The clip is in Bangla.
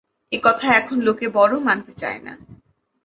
এ-কথা এখন লোকে বড় মানতে চায় না।